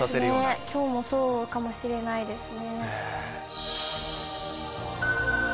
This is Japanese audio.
今日もそうかもしれないですね。